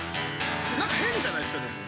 変じゃないですかでも。